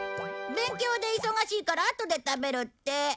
勉強で忙しいからあとで食べるって。